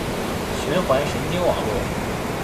循环神经网络